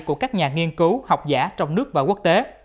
của các nhà nghiên cứu học giả trong nước và quốc tế